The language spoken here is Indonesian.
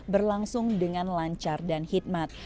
berlangsung dengan lancar dan hikmat